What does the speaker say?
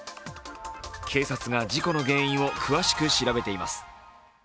警察が事故の原因を詳しく調べています。